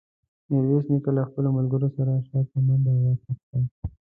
میرویس نیکه له خپلو ملګرو سره شاته منډه واخیسته.